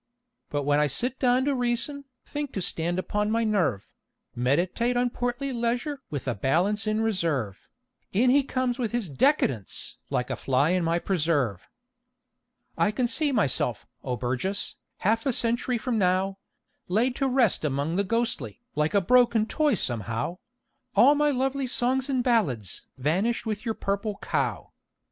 But when I sit down to reason, think to stand upon my nerve, Meditate on portly leisure with a balance in reserve, In he comes with his "Decadence!" like a fly in my preserve. I can see myself, O Burgess, half a century from now, Laid to rest among the ghostly, like a broken toy somehow, All my lovely songs and ballads vanished with your "Purple Cow."